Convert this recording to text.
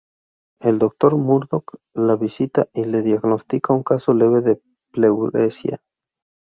El doctor Murdock la visita y le diagnostica un caso leve de pleuresía.